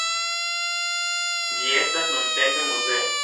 Ĝi estas nuntempe muzeo.